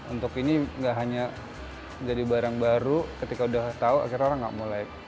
untuk ini tidak hanya jadi barang baru ketika sudah tahu akhirnya orang tidak mulai